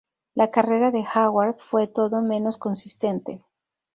La carrera de Howard fue todo menos consistente.